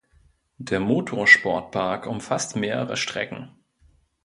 Der Motorsportpark umfasst mehrere Strecken.